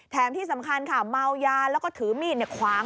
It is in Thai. ที่สำคัญค่ะเมายาแล้วก็ถือมีดขวาง